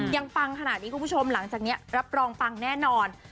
ปังขนาดนี้คุณผู้ชมหลังจากนี้รับรองปังแน่นอน